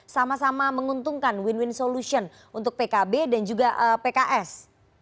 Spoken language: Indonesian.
sama sama menguntungkan win win solution untuk pkb dan juga pks